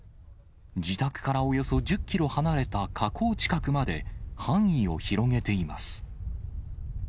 自宅からおよそ１０キロ離れた河口近くまで範囲を広げています。